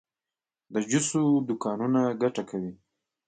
د جوسو دکانونه ګټه کوي؟